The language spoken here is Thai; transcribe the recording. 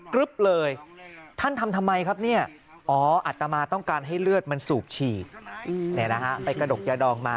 กระดกยาดองมา๓เบ็ก